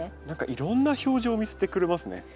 何かいろんな表情を見せてくれますね。